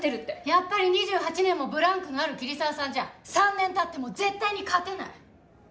やっぱり２８年もブランクのある桐沢さんじゃ３年経っても絶対に勝てない。